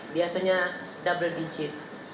biasanya double digit